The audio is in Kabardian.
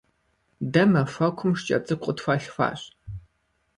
Дэ махуэкум шкӀэ цӀыкӀу къытхуалъхуащ.